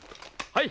はい。